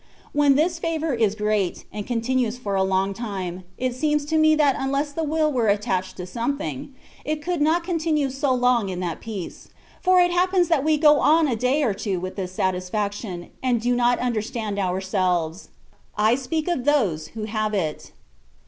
When this favour is great, and continues for a long time, it seems to me that unless the will were attached to something, it could not continue so long in that peace; for it happens that we go on a day or two with this satisfaction, and do not understand ourselves : I speak of those who have it.